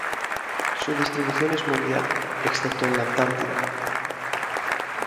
Su distribución es mundial, excepto en la Antártida.